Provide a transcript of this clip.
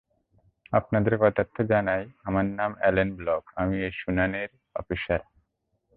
আপনাদের জ্ঞাতার্থে জানাই, আমার নাম এলেন ব্লক, আমি এই শুনানির শুনানি অফিসার।